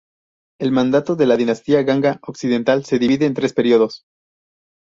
El mandato de la dinastía Ganga Occidental se divide en tres periodos.